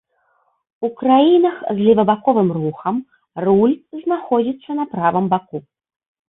У краінах з левабаковым рухам руль знаходзіцца на правым баку.